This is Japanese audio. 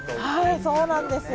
そうなんですよ！